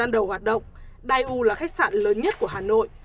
trong thời gian hoạt động dai u là khách sạn lớn nhất của hà nội